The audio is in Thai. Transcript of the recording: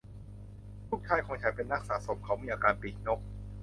ลูกชายของฉันเป็นนักสะสม : เขามีอาการปีกนก